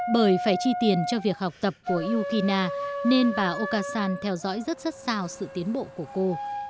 bởi phải chi tiền cho việc học tập của yukina nên bà okasan theo dõi rất rất sao sự tiến bộ của cô